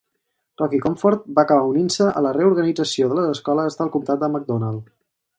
Rocky Comfort va acabar unint-se a la reorganització de les escoles del comtat de McDonald.